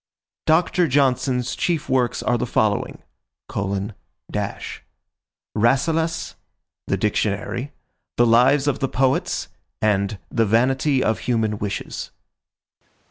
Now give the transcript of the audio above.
Dr Johnson's chief works are the following: "Rasselas," The Dictionary, "The Lives of the Poets," and "The Vanity of Human Wishes."